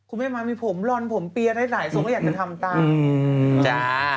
คุณพีมมานมีผมหล่อนผมเปียนพี่ไตได้หลายส่วนก็อยากจะทำตามอืมอ่าอ่า